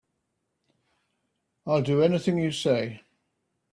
I'll do anything you say.